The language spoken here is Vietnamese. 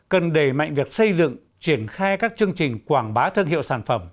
cần đẩy mạnh việc xây dựng triển khai các chương trình quảng bá thương hiệu sản phẩm